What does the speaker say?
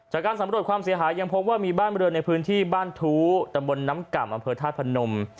จากการสำรวจความเสียหายยังพบว่ามีบ้านบริเวณในพื้นที่บ้านทู้ตำบลน้ำก่ำอำเภอธาตุพนม